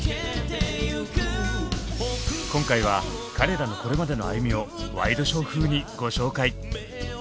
今回は彼らのこれまでの歩みをワイドショー風にご紹介。